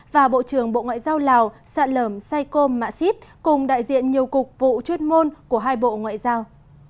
và bộ trưởng bộ ngoại giao lào sạ lẩm saykom mạ xít cùng đại diện nhiều cục vụ chuyên môn của hai bộ ngoại giao